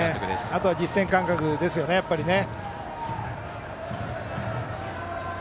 あとは実戦感覚ですねやっぱりね。